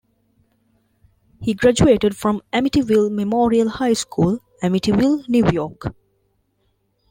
He graduated from Amityville Memorial High School, Amityville, New York.